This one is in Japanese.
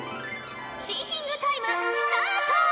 シンキングタイムスタート！